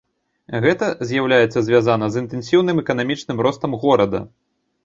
Гэта з'яўляецца звязана з інтэнсіўным эканамічным ростам горада.